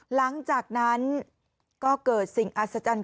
หลังจากนั้นก็เกิดสิ่งอัศจรรย์